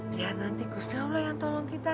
biar nanti gusnya allah yang tolong kita